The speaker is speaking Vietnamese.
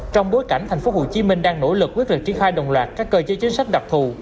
trong bối cảnh tp hcm đang nỗ lực quyết định triển khai đồng loạt các cơ chế chính sách đặc thù